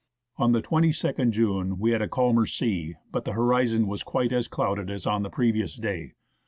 On the 22nd June we had a calmer sea, but the horizon was quite as clouded as on the previous day.